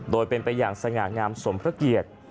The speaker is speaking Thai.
โดยเป็นไปอย่างสง่างามสมพระเกียรติ